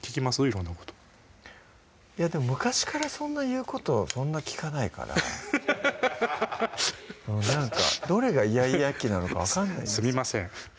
色んなことでも昔からそんな言うことをそんな聞かないからどれがイヤイヤ期なのか分かんないんですすみません